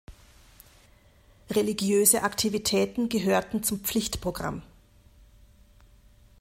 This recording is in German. Religiöse Aktivitäten gehörten zum Pflichtprogramm.